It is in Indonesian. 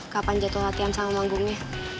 kapan jatuh latihan sama manggungnya